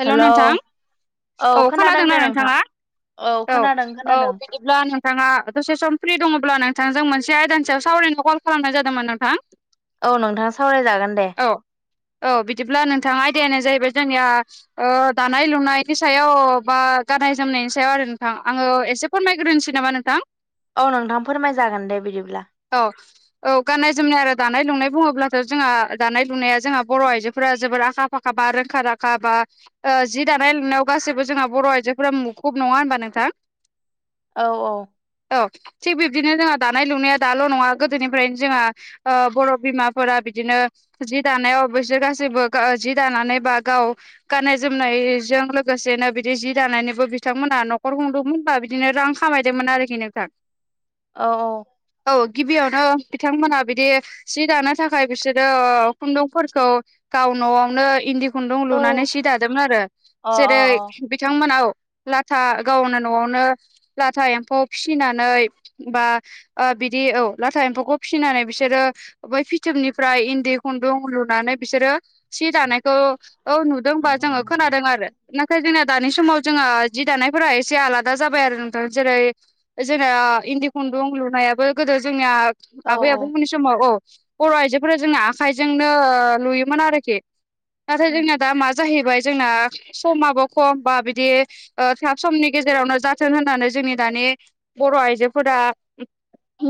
हेल' hello नोंथां औ खोनादों खोनादोंना दे नोंथां नोंथाङा? औ खोनादों औ खोनादों बिदिब्ला नोंथाङा दसे सम फ्रि दङब्ला नोंथांजों मोनसे आयदानि सायाव सावरायनो कल खालामनाय जादोंमोन नोंथां औ नोंथाङा सावरायजागोन दे औ औ बिदिब्ला नोंथाङा आयदायानो जाहैबाय जोंनिया ओ दानाय लुनायनि सायाव बा गाननाय जोमनायनि सायाव आरो नोंथां आङो एसे फोरमायग्रोनोसै नामा नोंथां औ नोंथां फोरमाय जागोन दे बिदिब्ला औ औ गाननाय जोमनाय आरो दानाय लुनाय बुङोब्लाथ' जोंहा दानाय लुनाया जोंहा बर' आइजोफोरा जोबोर आखा फाखा बा रोंखा राखा बा ओ जि दानाय लोंनायाव गासैबो जोंहा बर' आइजोफोरा मुखुब नङा होनबा नोंथां? औ औ औ थिग बिब्दिनो जोंहा दानाय लुनाया दाल' नङा गोदोनिफ्रायनो जोंहा ओ बर' बिमाफोरा बिदिनो जि दानायाव अबसे गासिबो ओ जि दानानै बा गाव गाननाय जोमनायजों लोगोसेनो बिदि जि दानायनिबो बिथांमोना न'खर खुंदों [unintelligible] बिदिनो रां खामायदोंमोन आरोखि नोंथां औ औ औ गिबियावनो बिथांमोना बिदि सि दानो थाखाय बिसोरो खुन्दुंफोरखौ गाव न'आवनो इन्दि खुन्दुं लुनानै औ सि दादोंमोन आरो अ जेरै बिथांमोना औ लाथा गावनो न'आवनो लाथा एम्फौ फिसिनानै बा ओ बिदि औ लाथा एम्फौखौ फिसिनानै बिसोरो बै फिथोबनिफ्राय इन्दि खुन्दुं लुनानै बिसोरो सि दानायखौ औ नुदों बा जोङो खोनादों आरो नाथाय जोंनिया दानि समाव जोङो जि दानायफोरा ए एसे आलादा जाबाय आरो नोंथां जेरै जोंना इन्दि खुन्दुं लुनायाबो गोदो जोंनिया अ औ आबै आबौ मोननि सम समाव औ बर' आइजोफोरा जोंना आखाइजोंनो लुयोमोन आरोखि नाथाय जोंना दा मा जाहैबाय जोंना समाबो खम बा बिदि ओ थाब समनि गेजेरावनो जाथों होननानै जोंनि दानि बर' आइजोफोरा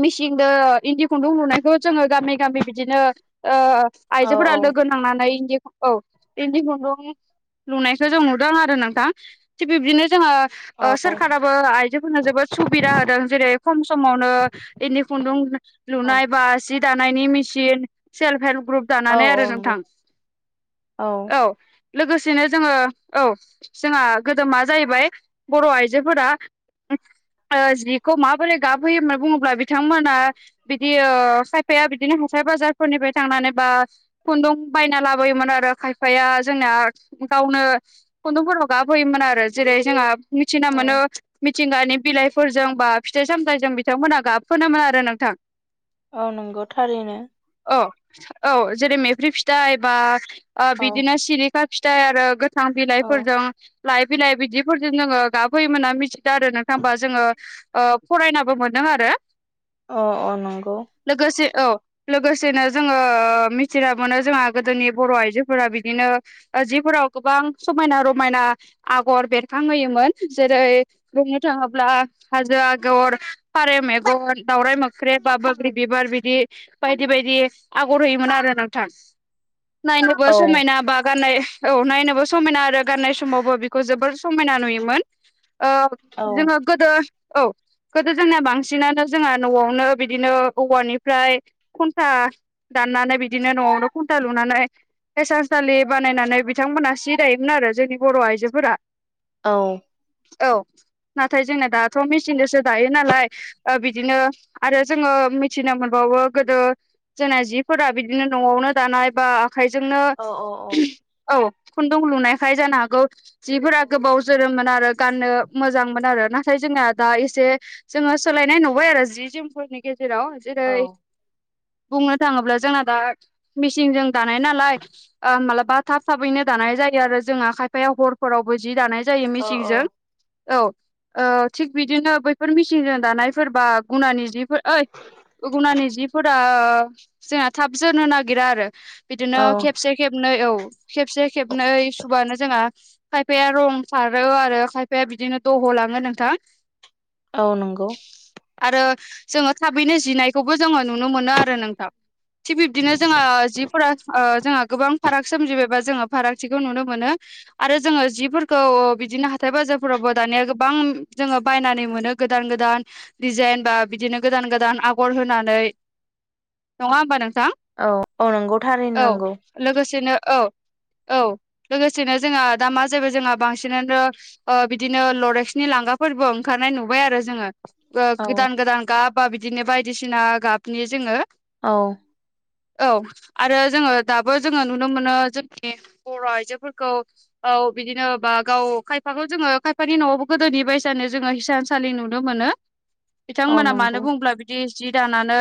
मिसिंजों इन्दि खुन्दुं लुनायखौ जोङो गामि गामि बिदिनो ओ औ आइजोफोरा लोगो नांनानै इनदि औ इन्दि खुन्दुं लुनायखौ जों नुदों आरो नोंथां थिग बिबदिनो जोंङो औ ओ औ सोरखारा बो आइजोफोरनो जोबोद सुबिदा होदों जेरै खम समावनो इनदि खुन्दुं लुनाय बा सि दानायनि मेसिन सेल्फ हेल्प ग्रुप औ दानानै आरो औ नंगौ नोंथां औ लोगोसेनो जोङो औ जोंहा गोदोमा जाहैबाय बर' आइजोफोरा ओ जिखौ माबोरै गाबहोयो होननानै बुङोब्ला बिथांमोना बिदि ओ खायफाया बिदिनो हाथाय बाजारफोरनिफ्राय थांनानै बा खुन्दुं बायना लाबोयोमोन आरो खायफाया जोंना गावनो खुन्दुंफोरखौ गाबहोयोमोन आरो जेरै जोंहा मिथिना औ मोनो मिथिंगानि बिलाइफोरजों बा फिथाइ सामथाइजों बिथांमोनहा गाबफोनोमोन आरो नोंथां औ नंगौ थारैनो औ औ जेरै मेफ्रि फिथाइ बा ओ औ बिदिनो सिलि खा फिथाइ आरो गोथां औ बिलाइफोरजों लाइ बिलाइ बिदिफोरजों जोङो गाबहोयोमोनना मिथिदों आरो नोंथाङां होमबा जोङो ओ फरायनाबो मोनदों आरो अ अ नंगौ लोगोसे औ लोगोसेनो जोङो मिथिनो मोनो जोंहा गोदोनि बर' आइजोफोरा बिदिनो ओ जिफोराव गोबां समायना रमायना आगर बेरखांहोयोमोन जेरै बुंनो थाङोब्ला हाजो आगर फारे मेगन दावराइ मोख्रेब बा बोग्रि बिबार बिदि बायदि बायदि आगर होयोमोन आरो नोंथां नायनोबो औ समायना बा गाननाय औ नायनोबो समायना आरो गाननाय समावबो बिखौ जोबोर समायना नुयोमोन ओ औ जोङो गोदो औ गोदो जोंना बांसिनानो जोंहा न'आवनो बिदिनो औवानिफ्राय घन्टा दाननानै बिदिनो न'आवनो खुन्था लुनानै हिसानसालि बानायनानै बिथांमोना सि दायोमोन आरो जोंनि बर' आइजोफोरा औ औ नाथाय जोंना दाथ' मेचिनजोंसो दायो नालाय ओ बिदिनो आरो जोङो मिथिनो मोनबावो गोदो जोंना जिफोरा बिदिनो न'आवनो दानाय बा आखायजोंनो औ औ खुन्दुं लुनायखाय जानो हागौ जिफोरा गोबाव जोरोमोन आरो गाननो मोजांमोन आरो नाथाय जोंना दा एसे जोङो सोलायनाय नुबाय आरो जि जोमफोरनि गेजेराव जेरै बुंनो थाङोब्ला जोंना दा मिसिनजों दानाय नालाय ओ मालाबा थाब थाबैनो दानाय जायो आरो जोंहा खायफाया हरफोरावबो जि दानाय जायो औ मेचिनजों औ औ थिग बिदिनो बैफोर मिचिनजों दानायफोर बा गुनानि जिफोर ओइ गुगुनानि जिफोरा जोंना थाब जोरनो नागिरा आरो बिदिनो औ खेबसे खेबनै औ खेबसे खेबनै सुबानो जोंहा खायफाया रं खारो आरो खायफाया बिदिनो दह' लाङो नोंथां औ नंगौ आरो जोङो थाबैनो जिनायखौबो जोङो नुनो मोनो आरो नोंथां थिग बिब्दिनो जोंङो जिफोरा जोंहा गोबां फाराग सोमजिबाय एबा जोङो फारागथिखौ नुनो मोनो आरो जोङो जिफोरखौ बिदिनो हाथाय बाजारफोरावबो दानिया गोबां जोङो बायनानै मोनो गोदान गोदान दिडिजाइन बा बिदिनो गोदान गोदान आगर होनानै नङा होमबा नोंथां औ औ नंगौ औ थारैनो नांगौ लोगोसेनो औ औ लोगोसेनो जोंहा दा मा जाहैबाय जोंहा बांसिनानो बिदिनो लरेक्सनि लांगाफोरबो ओंखारनाय नुबाय आरो जोङो ओ औ गोदान गोदान गाब बा बिदिनो बायदिसिना गाबनि जोङो औ औ आरो जोङो दाबो जोङो नुनो मोनो जों ए बर' आइजोफोरखौ औ बिदिनो बा गाव खायफाखौ जोङो खायफानि न'आवबो गोदोनि बायसानो जोङो हिसानसालि नुनो मोनो औ बिथांमोना नंगौ मानो बुंब्ला बिदि जि दानानै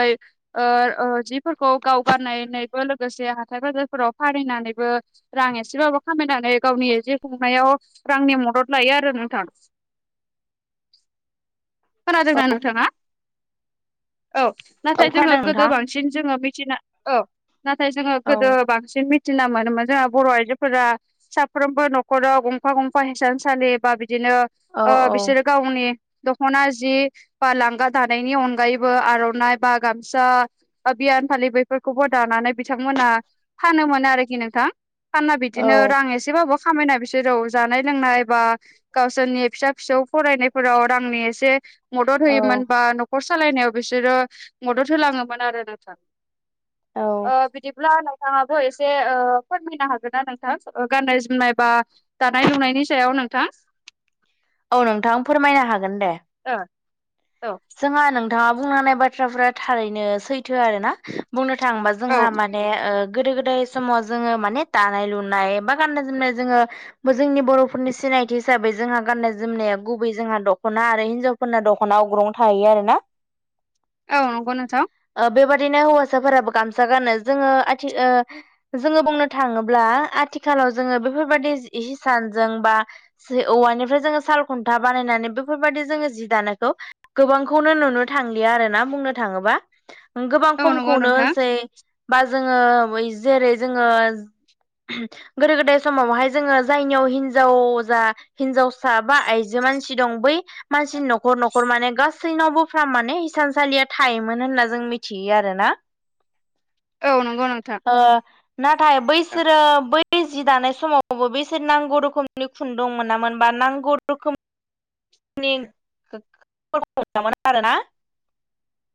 ओ ओ जिफोरखौ गावगाननायनानैबो लोगोसे हाथाय बाजारफोराव फानहैनानैबो रां एसेबाबो खामायनानै गावनि जि सुंनायाव रांनि मदद लायो आरो नोंथां खोनादोंना नोंथाङा औ औ नाथाय जोङो खोनादों गोदो नोंथां बांसिन सिन जोङो मिथिनो औ नाथाय जोङो औ गोदो बांसिन थिना मोनोमोनो बर' आइजोफोरा साफ्रोमबो न'खराव गंफा गंफा हिसानसालि बा बिदिनो औ ओ बिसोरो गावनि ख'ना जि बा लांगा दानायनि अनगायैबो आर'नाइ बा गामसा अभियान फालि बेफोरखौबो दानानै बिथांमोना फानो मोनो आरोखि नोंथां। फानना औ बिदिनो रां एसेबाबो खामायना बिसोराव जानाय लोंनाय बा गावसोरनि फिसा फिसौ फरायनायफोराव रांनि एसे मदद होयोमोन बा न'खर सालायनायाव बिसोरो मदद होलाङोमोन आरो नोंथां। औ बिदिब्ला नाङाबो एसे फोरमायनो हागोन ना नोंथां गाननाय जोमनाय बा दानाय लुनायनि सायाव नोंथां। औ नोंथां फोरमायनो हागोन दे। औ जोंहा नोंथाङा बुंना नायबा बाथ्राफ्रा थारैनो सैथो आरोना बुंनो थाङोबा औ जोंहा माने माने गोदो गोदाय समाव जोङो माने दानाय लुनाय बा गाननाय जोमनाय जोङो जोंनि बर'फोरनि सिनायथि हिसाबै जोंहा गाननाय जोमनाया गुबै जोंहा दख'ना आरो हिनजावफोरना दख'ना अग्रं थायो आरो ना औ नंगौ नोंथां बेबादिनो हौवासाफोराबो गामसा गानो जोङो आथिखाल जोङो बुंनो थाङोब्ला आथिखालाव जोङो बेफोरबायदि हिसानजों बा ज औवानिफ्राय जोङो साल खुन्था बानायनानै बेफोरबायदि जोङो जि दानोखौ गोबांखौनो नुनो थांलिया आरोना बुंनो थाङोबा गोबां औ नंगौ खमखौनो नोंथां होनसै बा जोङो बै जेरै जोङो गोदो गोदाय समावहाय जोङो जायनियाव हिनजाव जा हिनजावसा बा आइजो मानसि दं बै मानसिनि न'खर न'खर माने गाव गासैनावबो फ्रा माने हिसानसालिया थायोमोन होनना जों मिथियो आरोना औ नंगौ नोंथां ओ नाथाय बैसोरो बै बे जि दानाय समावबो बेसोर नांगौ रोखोमनि खुुन्दुं दंमोन नामोन बा नांगौ रोखोम मोना आरो ना।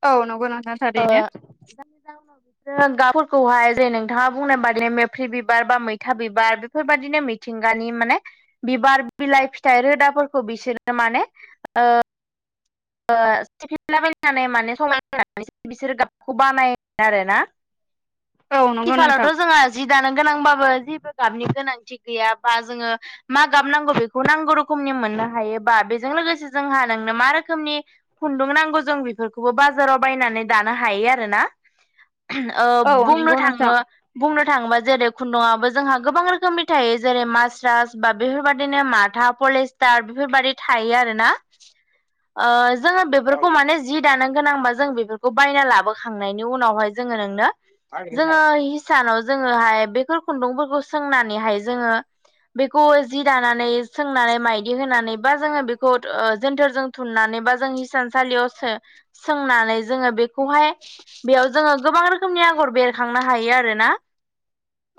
औ नंगौ नोंथां थारैनो बिदिनो गाबफोरखौहाय जेरै नोंथाङा बुंनाय बादि मेफ्रि बिबार बा मैथा बिबार बेफोरबायदिनो मिथिंगानि माने बिबार बिलाइ फिथाइ रोदाफोरखौ बिसोर माने ओ ओ सिफिनलाबायनानै माने समायनानै बिसोरो गाबखौ बानायो आरो ना। [inaudible] नंगौ नोंथां आथिखालावथ' जोङा जि दानो गोनांबाबो जेबो गाबनि गोनांथि गैया बा जोङो मा गाबनांगौ बेखौ नांगौ रोखोमनि मोननो हायोबा बेजों लोगोसे जोंहा नोंनो मा रो खोमनि खुन्दुं नांगौ जों बेफोरखौबो बाजाराव बायनानै दानो हायो आरोना। ओ औ बुंनो नंगौ थाङो नोंथां बुंनो थाङोबा जेरै खुन्दुंआबो जोंहा गोबां रोखोमनि थायो जेरै मास्रास बा बेफोरबायदिनो माथा पलेस्टार बेफोरबायदि थायो आरोना। ओ जोङो बेफोरखौ माने जि दानो गोनांबा जों बेफोर खौ बायना लाबोखांनायनि उनावहाय जोङो नोंनो जोङो हिसानाव जोङोहाय बेफोर खुन्दुंफोरखौ सोंनानैहाय जोङो बेखौ जि दानानै सोंनानै माइदि होनानै बा जोङो ओ बेखौ जोनथोरजों थुननानै बा जों हिसानसालियावो सो सोंनानै जोङो बेखौहाय बेयाव जोङो गोबां रोखोमनि आगर बेरखांनो हायो आरोना।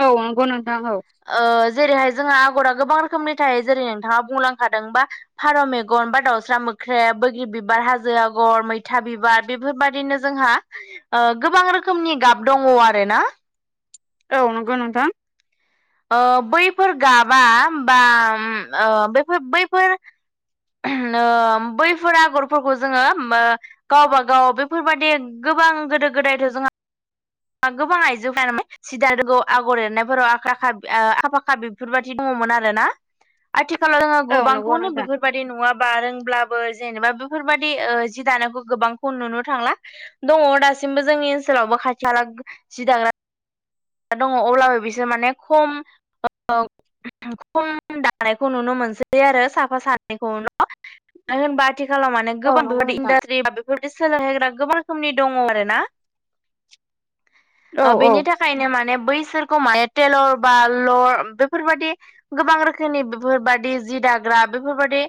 औ नंगौ नोंथां औ ओ जेरैहाय जोंहा आगरा गोबां रोखोमनि थायो जेरै नोंथाङा बुंलांखादों बा फारौ मेगन बा दाउस्रा मोख्रेब बैग्रि बिबार, हाजो आगर, मैथा बिबार बेफोरबायदिनो जोंहा ओ गोबां रोखोमनि गाब दङ आरोना। औ नंगौ नोंथां ओ बैफोर गाबा बा उम बैफोर बैफोर ओ बैफोर आगरफोरखौ जोङो ओ गावबा गाव बेफोरबायदि गोबां गोदो गोदायथ' जोंहा गोबां आइजोफोरा जादानोगौ आगर एरनायफोराव आखा आखा फाखा बेफोरबायदि दङमोन आरोना आथिखालाव जोङो औ नंगौ गोबांखौनो नोंथां बेफोर बायदि नङाबा रोंब्लाबो जेनेबा बेफोरबायदि जि दानायखौ गोबांखौ नुनो थांला दङ दासिमबो जोंनि ओनसोलावबो खाथि खाला जि दाग्रा दङ अब्लाबो बिसोर माने खम खम दानायखौ नुनो मोनसै आरो साफा सानैखौल' मानो होनबा आथिखालाव माने औ गोबां नंगौ बेफोरबायदि नोंथां इन्डास्ट्रि बा बेफोरबायदि सोलोंहोग्रा गोबां रोखोमनि दङ आरो ना औ ओ औ बेनि थाखायनो माने बैसोरखौ माने टेलर बा लर बेफोरबायदि गोबां रोखोमनि बेफोरबादि जि दाग्रा बेफोरबायदि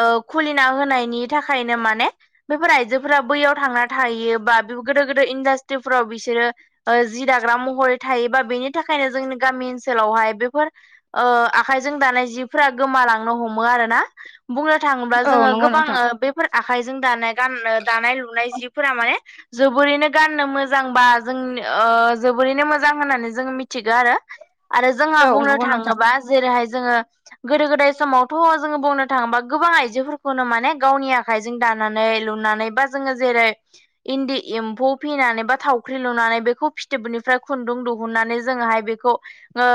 ओ खुलिना होनायनि थाखायनो माने बेफोर आइजोफोरा बैयाव थांना थाहैयो बा गोदो गोदो इन्डास्ट्रिफोराव बिसोरो ओ जि दाग्रा महरै थायोबा बेनि थाखायनो जोंनि गामि ओनसोलावहाय बेफोर ओ आखाइजों दानाय जिफोरा गोमालांनो हमो आरो ना बुंनो थाङोब्ला औ जोङो नंगौ गोबां नोंथां बे फोर आखाइजों दानाय गान दानाय लुनाय जिफोरा माने जोबोरैनो गाननो मोन जां बा जों ओ जोबोरैनो मोजां होननानै जोङो मिथिगौ आरो आरो जोंहा औ बुंनो नंगौ नोंथां थाङोबा जेरैहाय जोङो गोदो गोदाय समावथ' जोङो बुंनो थाङोबा गोबां आइजोफोरखौनो माने गावनि आ खाइजों दानानै लुनानै बा जोङो जेरै इन्दि एम्फौ फिनानै बा थावख्रि लुनानै बेखौ फिथोबनिफ्राय खुन्दुं दिहुननानै जोङोहाय बेखौ ओ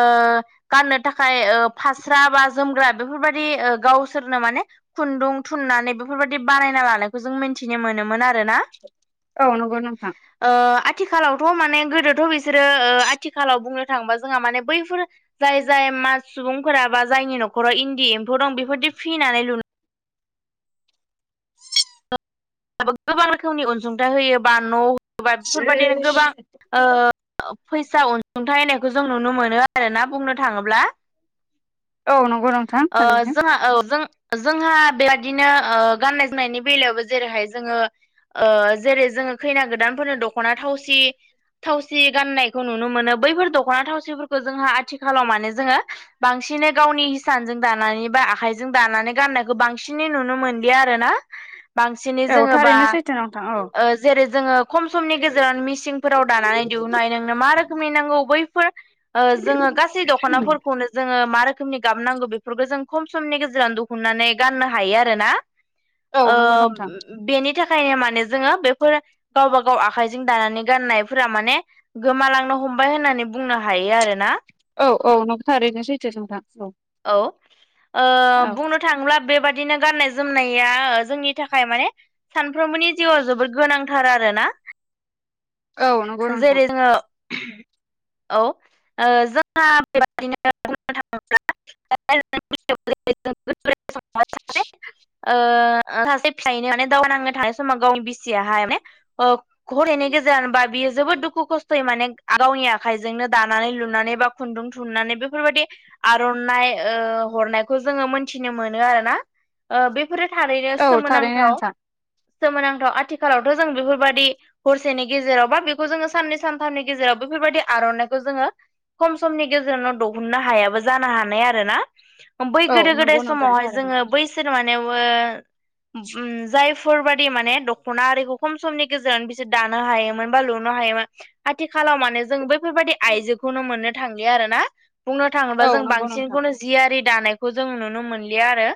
गाननो थाखाय ओ फास्रा बा जोमग्रा बेफोरबायदि गावसोरनो माने खुन्दुं थुननानै बेफोरबादि बानायना लानायखौ जों मिन्थिनो मोनोमोन आरोना औ नंगौ नोंथां ओ आथिखालावथ' माने गोदोथ' बिसोरो ओ आथिखालाव बुंनो थाङोबा जोंहा माने बैफोर जाय जाय मा सुबुंफोरा बा जायनि न'खराव इन्दि एम्फौ दं बेफोरदि फिनानै लु गोबां रोखोमनि अनसुंथाइ होयो बा न' होयोबा बेफोरबायदिनो गोबां ओ फैसा अनसुंथाइ होनायखौ जों नुनो मोनो आरोना बुंनो थाङोब्ला औ नंगौ नोंथां ओ थारैनो जोंहा औ जों जोंहा बेबादिनो ओ गाननाय जोमनायनि बेलायावबो जेरैहाय जोङो ओ जेरै जोङो खैना गोदानफोरनो दख'ना थावसि थावसि गाननायखौ नुनो मोनो बैफोर दख'ना थावसिफोरखौ जोंहा आथिखालाव माने जोङो बांसिनै गावनि हिसानजों दानानै बा आखाइजों दानानै गाननायखौ बांसिनै नुनो मोनलिया आरोना बांसिनै औ जोङोबा थारैनो सैथो नोंथां औ ओ जेरै जोङो खम समनि गेजेराव मिसिंफोराव दानानै दिहुननाय हायो मा रोखोमनि नांगौ बैफोर ओ जोङो गासै दख'नाफोरखौनो जोङो मा रोखोमनि गाबनांगौ बेफोरखौ जों खम समनि गेजेराव दिहुननानै गाननो हायो आरो ना औ ओ नंगौ नोंथां बेनि थाखायनो माने जोङो बेफोर गावबा गाव आखाइजों दानानै गाननायफोरा माने गोमालांनो हमबाय होननानै बुंनो हायो आरो ना औ औ न'थार ओरैनो सैथो नोंथां औ औ ओ बुंनो थाङोब्ला बेबदिनो गाननाय जोमनाया जोंनि थाखाय माने सानफ्रोमबोनि जिउआव जोबोद गोनांथार आरोना औ औ नंगौ नोंथां जेरै जोङो औ ओ जोंहा बेबादिनो बुंनो थाङोब्ला [unintelligible] ओ सासे फिसायनो माने दावहा नांनो थांनाय समाव गावनि बिसियाहाय माने घरैनाय गेजेरजोंबा बियो जोबोद दुखु खस्थ'यै माने गावनि आखाइजोंनो दानानै लुनानै बा खुन्दुं थुननानै बेफोरबायदि आर'नाइ ओ हरनायखौ जोङो मोनथिनो मोनो आरोना ओ बे फोरो थारैनो औ सोमोनां थारैनो नोंथां सोमोनांथाव आथिखालावथ' जों बेफोरबायदि हरसेनि गेजेराव बा बेखौ जोङो साननै सानथामनि गेजेराव बेफोरबायदि आर'नाइखौ जोङो खम समनि गेजेरावनो दिहुननो हायाबो जानो हानाय आरो ना बै औ गोदो गोदाय नंगौ नोंथां समावहाय थारैनो जोङो बैसोर माने ओम जाय बेफोरबायदि माने दख'ना आरिखौ खम समनि गेजेराव बिसोर दानो हायोमोन बा लुनो हायोमोन आथिखालाव माने जों बैफोरबायाददि आइजोखौनो मोननो थांलिया आरोना बुंनो थाङोबा औ जों नंगौ नोंथां बांसिनखौनो जियारि दानायखौ जों नुनो मोनलिया आरो